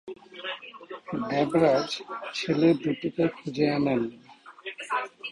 দেবরাজ ছেলে দুটিকে খুঁজে আনেন।